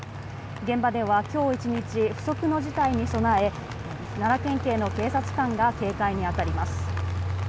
現場では今日一日不測の事態に備え奈良県警の警察官が警戒に当たります。